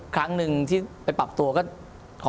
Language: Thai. ครั้งหนึ่งที่ไปปรับตัวก็ขอ